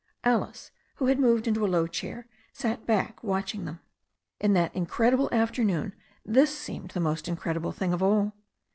Alice, who had moved into a low chair, sat back, watch ing them. In that incredible afternoon this seemed the most incredible thing of all.